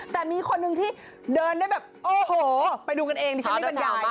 แต่มีคนหนึ่งที่เดินได้แบบโอ้โหไปดูกันเองดิฉันไม่บรรยาย